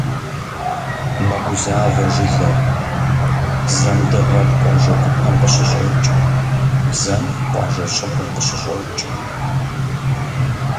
Мэгузавэ жылэр: зэм дыгъэр къуажэ гупэм къыщыщӀокӀ, зэм къуажэ щӀыбым къыщыщӀокӀ.